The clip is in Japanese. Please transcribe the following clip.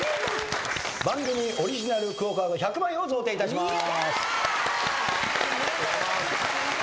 番組オリジナルＱＵＯカード１００枚を贈呈いたしまーす。